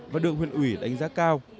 và được huyện ủy đánh giá cao